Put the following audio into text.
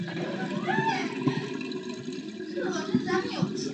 内外因素构成了后来台海形势发展的条件基础。